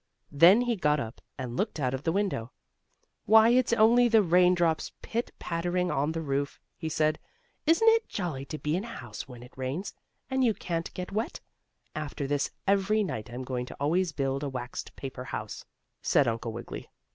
Then he got up and looked out of the window. "Why, it's only the rain drops pit pattering on the roof," he said. "Isn't it jolly to be in a house when it rains, and you can't get wet? After this every night I'm going to always build a waxed paper house," said Uncle Wiggily.